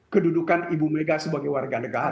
kedudukan ibu mega sebagai warga negara